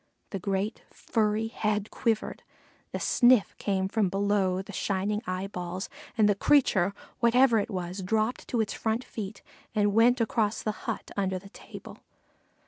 The great furry head quivered, a sniff came from below the shining eyeballs, and the creature, whatever it was, dropped to its front feet and went across the hut under the table.